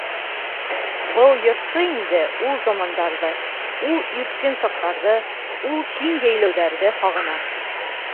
Был йырсы инде ул замандарҙы, ул иркен саҡтарҙы, ул киң йәйләүҙәрҙе һағына.